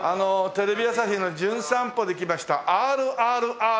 テレビ朝日の『じゅん散歩』で来ましたＲＲＲっていう者なんです。